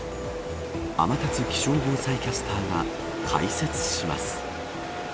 天達気象防災キャスターが解説します。